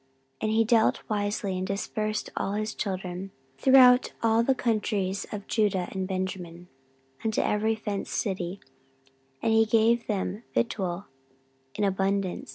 14:011:023 And he dealt wisely, and dispersed of all his children throughout all the countries of Judah and Benjamin, unto every fenced city: and he gave them victual in abundance.